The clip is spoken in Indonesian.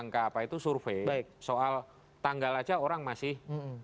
angka apa itu survei soal tanggal saja orang masih